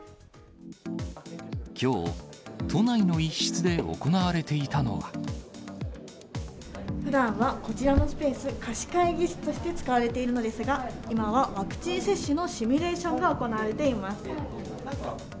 きょう、都内の一室で行われふだんはこちらのスペース、貸会議室として使われているのですが、今はワクチン接種のシミュレーションが行われています。